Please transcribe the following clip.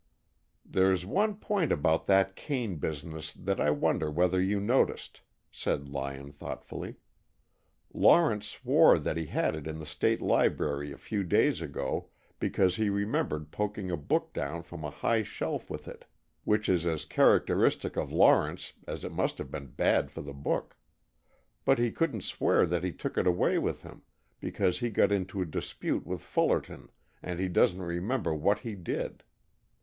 "There's one point about that cane business that I wonder whether you noticed," said Lyon, thoughtfully. "Lawrence swore that he had it in the State Law Library a few days ago, because he remembered poking a book down from a high shelf with it, which is as characteristic of Lawrence as it must have been bad for the book. But he couldn't swear that he took it away with him, because he got into a dispute with Fullerton and he doesn't remember what he did.